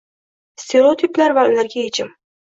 Stereotiplar va ularga yechim